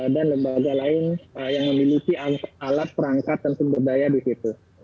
dan lembaga lain yang memiliki alat perangkat dan sumber daya di situ